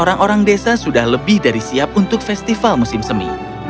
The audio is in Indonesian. orang orang desa sudah lebih dari siap untuk festival musim semi